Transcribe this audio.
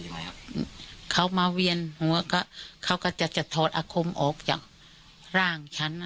ใช่ไหมครับเขามาเวียนหัวก็เขาก็จะจะถอดอาคมออกจากร่างฉัน